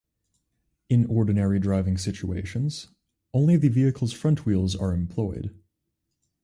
In ordinary driving situations, only the vehicle's front wheels are employed.